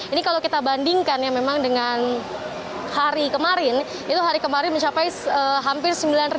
ini kalau kita bandingkan ya memang dengan hari kemarin itu hari kemarin mencapai hampir sembilan ratus